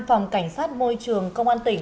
phòng cảnh sát môi trường công an tỉnh